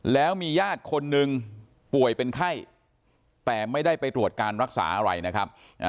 แล้วมีญาติคนนึงป่วยเป็นไข้แต่ไม่ได้ไปตรวจการรักษาอะไรนะครับ